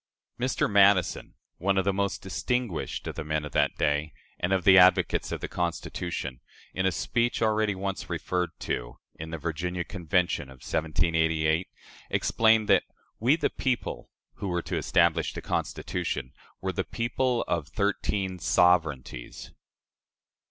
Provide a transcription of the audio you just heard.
Mr. Madison, one of the most distinguished of the men of that day and of the advocates of the Constitution, in a speech already once referred to, in the Virginia Convention of 1788, explained that "We, the people," who were to establish the Constitution, were the people of "thirteen SOVEREIGNTIES."